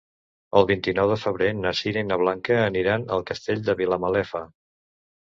El vint-i-nou de febrer na Sira i na Blanca aniran al Castell de Vilamalefa.